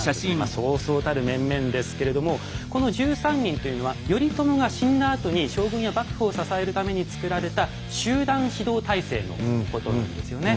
そうそうたる面々ですけれどもこの１３人というのは頼朝が死んだあとに将軍や幕府を支えるために作られた集団指導体制のことなんですよね。